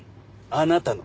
あなたの？